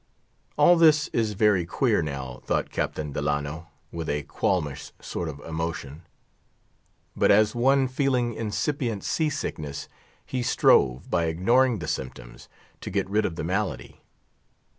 All this is very queer now, thought Captain Delano, with a qualmish sort of emotion; but, as one feeling incipient sea sickness, he strove, by ignoring the symptoms, to get rid of the malady.